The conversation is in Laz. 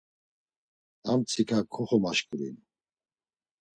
Ar mtsika koxomaşǩurinu.